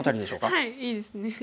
はいいいですね。